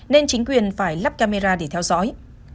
nên chính quyền phải lắp camera để theo dõi